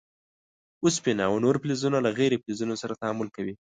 اوسپنه او نور فلزونه له غیر فلزونو سره تعامل کوي.